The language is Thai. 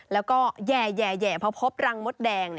แล้วก็แย่พอพบรังมดแดง